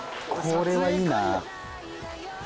これはいいな。